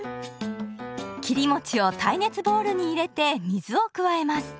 切り餅を耐熱ボウルに入れて水を加えます。